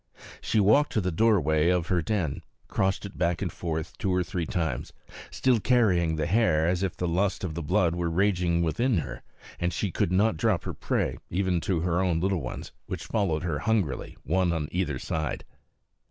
She walked to the doorway of her den, crossed it back and forth two or three times, still carrying the hare as if the lust of blood were raging within her and she could not drop her prey even to her own little ones, which followed her hungrily, one on either side.